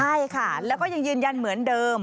ใช่ค่ะแล้วก็ยังยืนยันเหมือนเดิม